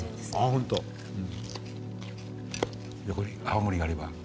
泡盛があれば。